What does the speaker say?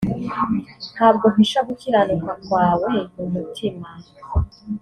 ntabwo mpisha gukiranuka kwawe mu mutima